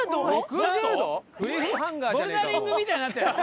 ボルダリングみたいになってるの？